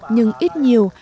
nhưng ít nhiều